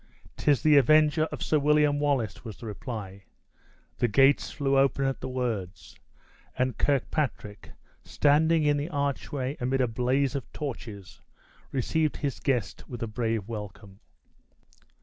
"'Tis the avenger of Sir William Wallace," was the reply. The gates flew open at the words; and Kirkpatrick, standing in the archway amid a blaze of torches, received his guest with a brave welcome.